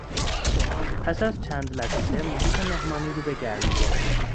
پس از چند لطیفه، محیط مهمانی رو به گرمی گرفت.